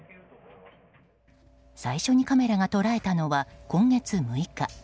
最初にカメラが捉えたのは今月６日。